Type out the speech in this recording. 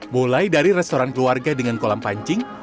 mulai dari restoran keluarga dengan kolam pancing